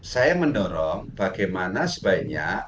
saya mendorong bagaimana sebaiknya